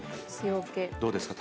どうですか？